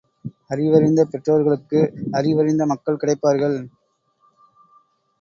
அறிவறிந்த பெற்றோர்களுக்கு அறிவறிந்த மக்கள் கிடைப்பார்கள்.